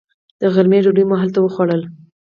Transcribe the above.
د غرمې ډوډۍ مو هلته وخوړله.